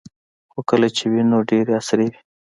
خو کله چې وې نو ډیرې عصري وې